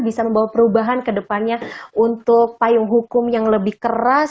bisa membawa perubahan ke depannya untuk payung hukum yang lebih keras